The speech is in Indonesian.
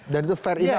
jadi itu fair enough ya